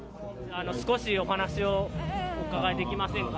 少しお話をお伺いできませんか。